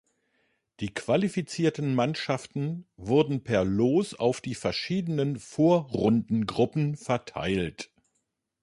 Die qualifizierten Mannschaften wurden per Los auf die verschiedenen Vorrundengruppen verteilt.